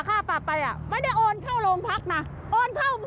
แต่ทำไมต้องให้โอนเงินเลยเอ้า